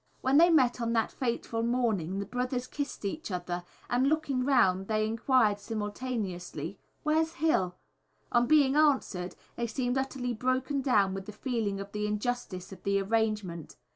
When they met on that fatal morning the brothers kissed each other, and, looking round, they enquired simultaneously, "where's Hill?" On being answered, they seemed utterly broken down with the feeling of the injustice of the arrangement.